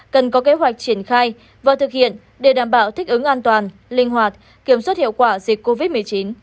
cần có kế hoạch triển khai và thực hiện để đảm bảo thích ứng an toàn linh hoạt kiểm soát hiệu quả dịch covid một mươi chín